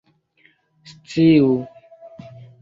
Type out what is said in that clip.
sciu